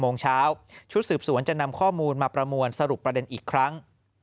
โมงเช้าชุดสืบสวนจะนำข้อมูลมาประมวลสรุปประเด็นอีกครั้ง